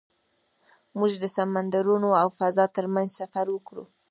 موږ د سمندرونو او فضا تر منځ سفر وکړ.